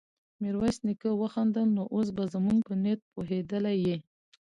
ميرويس نيکه وخندل: نو اوس به زموږ په نيت پوهېدلی يې؟